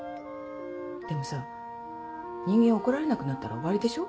でもさ人間怒られなくなったら終わりでしょ？